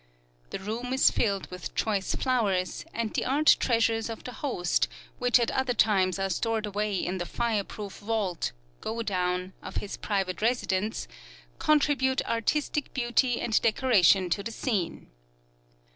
The room is filled with choice flowers, and the art treasures of the host, which at other times are stored away in the fire proof vault "go down" of his private residence, contribute artistic beauty and decoration to the scene.